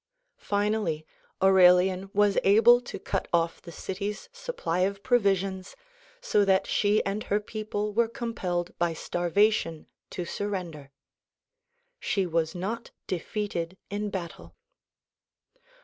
Finally Aurelian was able to cut off the city's supply of provisions so that she and her people were com pelled by starvation to surrender. She was not defeated in battle.